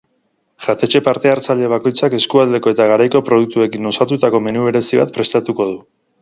Jatetxe parte-hartzaile bakoitzak eskualdeko eta garaiko produktuekin osatutako menu berezi bat prestatuko du.